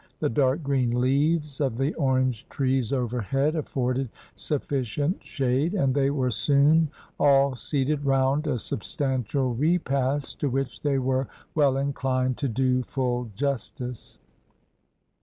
The dark green leaves of the orange trees overhead afforded sufficient shade, and they were soon all seated round a substantial repast, to which they were well inclined to do full justice.